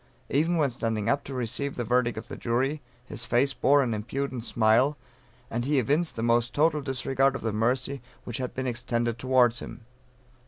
Even when standing up to receive the verdict of the jury, his face bore an impudent smile, and he evinced the most total disregard of the mercy which had been extended towards him.